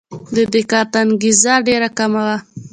د دې کار ته انګېزه ډېره کمه وه.